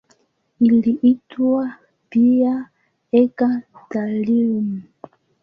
Iliitwa pia eka-thallium.